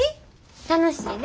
楽しいで。